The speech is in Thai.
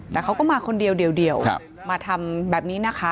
แต่เขาก็มาคนเดียวมาทำแบบนี้นะคะ